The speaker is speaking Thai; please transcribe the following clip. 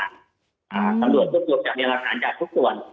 รสบุรพจากเดียรภาษาจากทุกส่วน